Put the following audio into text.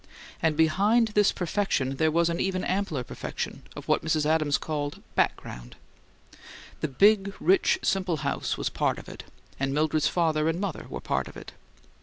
And behind this perfection there was an even ampler perfection of what Mrs. Adams called "background." The big, rich, simple house was part of it, and Mildred's father and mother were part of it.